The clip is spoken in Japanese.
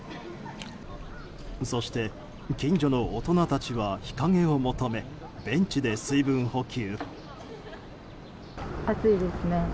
そして、近所の大人たちは日陰を求めベンチで水分補給。